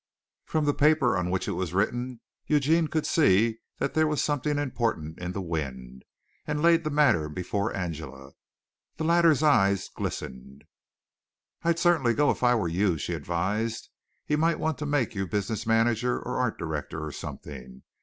From the paper on which it was written Eugene could see that there was something important in the wind, and laid the matter before Angela. The latter's eyes glistened. "I'd certainly go if I were you," she advised. "He might want to make you business manager or art director or something.